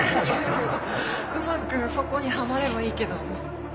うまくそこにはまればいいけど。